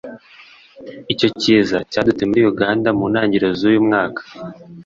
Icyo kiza cyadutse muri Uganda mu ntangiriro z’uyu mwaka